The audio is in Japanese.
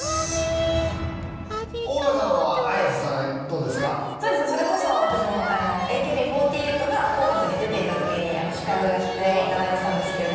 そうですねそれこそ私もＡＫＢ４８が『紅白』に出ていたときに司会をやっていただいてたんですけれども。